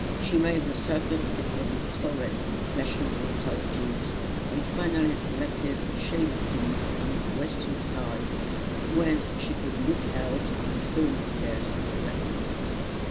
She made the circuit of its forests and flashing water views, and finally selected a shady seat on its western side, whence she could look out on the foamy stairs of the Rapids.